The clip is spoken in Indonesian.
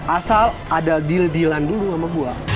asal ada deal dealan dulu sama gue